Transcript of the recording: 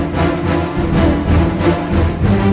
berhenti jangan lari